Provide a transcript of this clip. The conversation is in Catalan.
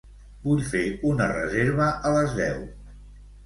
Vull fer una reserva a les deu.